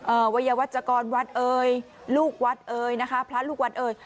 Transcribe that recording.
วัยวัชกรวัดเอ่ยลูกวัดเอ่ยนะคะพระลูกวัดเอ่ย